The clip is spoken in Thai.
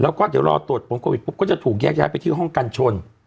แล้วก็เดี๋ยวรอตรวจผลโควิดปุ๊บก็จะถูกแยกย้ายไปที่ห้องกันชน